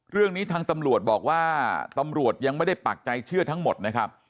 เรื่องนี้ทางตำรวจบอกว่าตำรวจยังไม่ได้ปักใจเชื่อทั้งหมดนะครับ